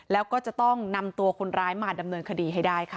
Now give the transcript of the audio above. แล้วก็จะต้องนำตัวคนร้ายมาดำเนินคดีให้ได้ค่ะ